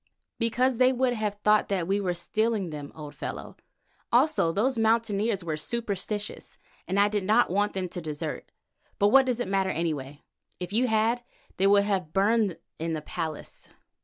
"Because they would have thought that we were stealing them, old fellow. Also those Mountaineers were superstitious, and I did not want them to desert. But what does it matter, anyway? If you had, they would have been burned in the palace."